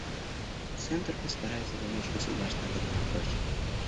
Центр постарается помочь государствам в этом вопросе.